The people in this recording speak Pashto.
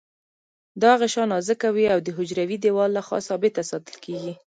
دا غشا نازکه وي او د حجروي دیوال له خوا ثابته ساتل کیږي.